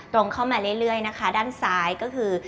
ตรงเข้ามาเรื่อยนะคะด้านซ้ายก็คือ